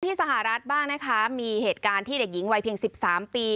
สหรัฐบ้างนะคะมีเหตุการณ์ที่เด็กหญิงวัยเพียง๑๓ปี